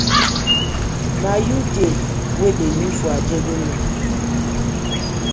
Na yu dey wey dey live for ajegunle.